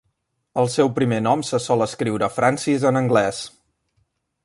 El seu primer nom se sol escriure 'Francis' en anglès.